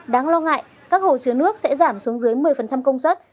đáng lo ngại các hồ chứa nước sẽ giảm xuống dưới một mươi công suất